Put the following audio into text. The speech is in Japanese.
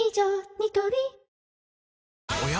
ニトリおや？